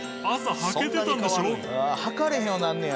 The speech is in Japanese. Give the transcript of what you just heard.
履かれへんようになんねや。